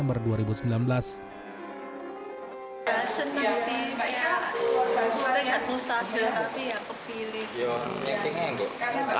mungkin agak mustahil tapi ya kepilih